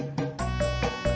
aku disuruh catain bro